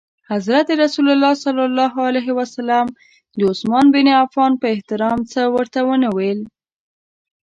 حضرت رسول ص د عثمان بن عفان په احترام څه ورته ونه ویل.